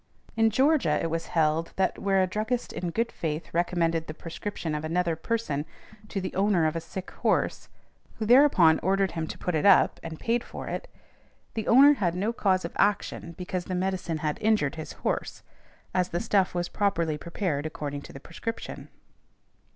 In Georgia it was held, that where a druggist in good faith recommended the prescription of another person to the owner of a sick horse, who thereupon ordered him to put it up and paid for it, the owner had no cause of action because the medicine had injured his horse, as the stuff was properly prepared according to the prescription .